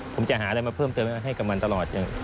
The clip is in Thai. ผมจะหาอะไรมาเพิ่มเติมให้กับมันตลอด